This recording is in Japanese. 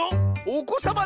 ⁉おこさま